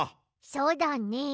そうだね。